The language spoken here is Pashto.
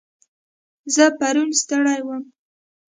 زه پرون ستړی وم.